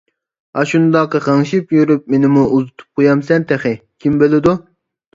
ئاشۇنداق غىڭشىپ يۈرۈپ مېنىمۇ ئۇزىتىپ قويامسەن تېخى، كىم بىلىدۇ.